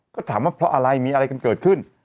ก็ถามว่าเพราะอะไรมีอะไรกันเกิดขึ้น